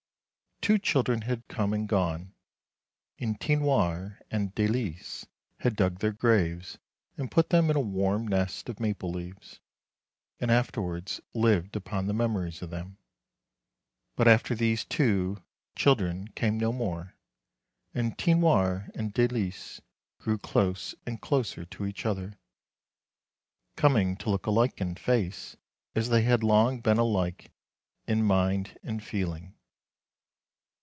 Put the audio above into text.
Two children had come and gone, and Tinoir and Dalice had dug their graves and put them in a warm nest of maple leaves, and afterwards lived upon the memories of them. But after these two, children came no more ; and Tinoir and Dalice grew close and closer to each other, coming to look alike in face, as they had long been alike in mind and feeling.